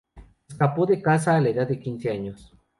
Se escapó de casa a la edad de quince años.